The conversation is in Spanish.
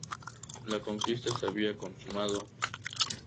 La conquista se había consumado.